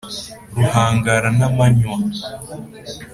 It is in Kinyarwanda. ruhangara na manywa